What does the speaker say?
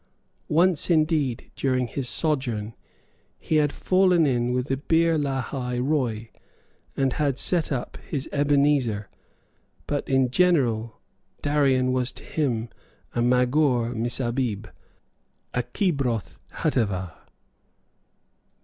Once, indeed, during his sojourn, he had fallen in with a Beer lahai roi, and had set up his Ebenezer; but in general Darien was to him a Magor Missabib, a Kibroth hattaavah.